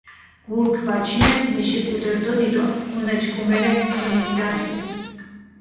გურქ ვაჩინეს მიში ჸუდე რდჷნი, დო მჷნაჩქუმელენქ კჷნი მიდართეს.